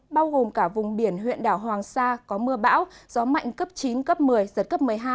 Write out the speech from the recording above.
bao gồm cả vùng biển huyện đảo hoàng sa có mưa bão gió mạnh cấp chín cấp một mươi giật cấp một mươi hai